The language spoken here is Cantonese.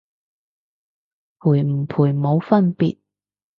賠唔賠冇分別